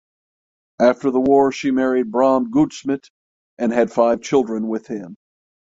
After the war she married Bram Goudsmit and had five children with him.